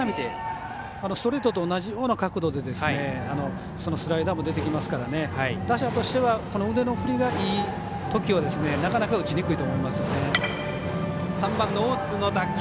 ストレートと同じような角度でスライダーも出てきますから打者としては腕の振りがいいときはなかなか打ちにくいと思いますね。